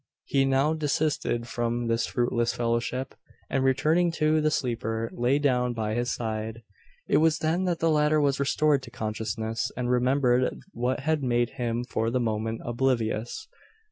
He now desisted from this fruitless fellowship; and, returning to the sleeper, lay down by his side. It was then that the latter was restored to consciousness, and remembered what had made him for the moment oblivious.